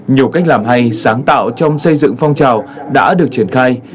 nhiều cách làm hay sáng tạo trong xây dựng phong trào đã được triển khai